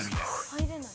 入れない。